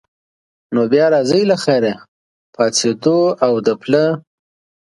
نو بیا راځئ له خیره، پاڅېدو او د پله.